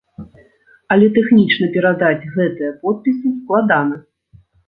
Але тэхнічна перадаць гэтыя подпісы складана.